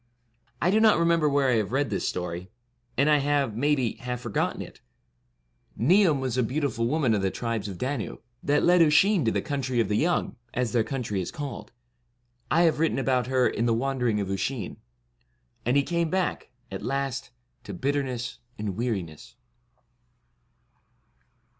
I do not remember where I have read this story, and I have, maybe, half forgotten it, Niam was a beautiful woman of the Tribes of Danu, that led Oisin to the Country of the Young, as their country is called; I have written about her in 'The Wandering of Usheen ;' and he came back, at last, to bitterness and weariness.